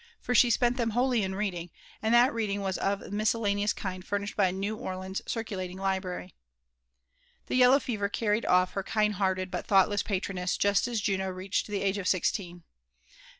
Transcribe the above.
for she spent' Hlem wholly in feiHli<ig> tfnd^ that reading was of the mtscoL^ AnieouB kind> furnished' By a« New Orleans ohrculating'libFBvy. The yeHow ^ever earried* off her ]iind 4ieai>ted but Iheughtlesi^ patroness just as Juno reached the age of sixteen.